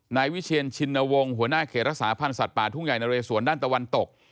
นายวิเชียนชินวงศ์หัวหน้าเขตรักษาพันธ์สัตว์ป่าทุ่งใหญ่นะเรสวนด้านตะวันตก